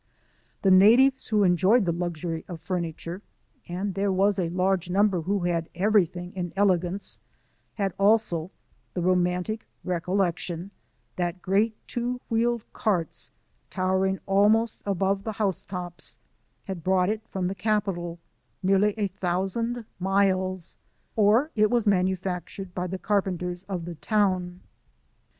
The natives who enjoyed the luxury of furniture — and there was a large number who had everything in elegance — had also the roman tic recollection, that great old two wheeled carts, towering almost above the house tops, had brought it from the capital, nearly a thousand miles, or it was manufactured by the carpenters of the town.